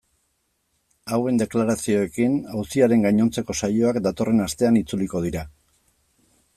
Hauen deklarazioekin auziaren gainontzeko saioak datorren astean itzuliko dira.